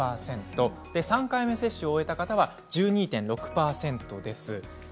３回目接種を終えた方は１２．６％です。